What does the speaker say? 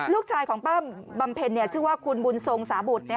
ลูกชายของป้าบำเพ็ญชื่อว่าคุณบุญทรงสาบุตร